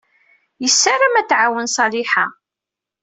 Yessaram ad t-tɛawen Ṣaliḥa.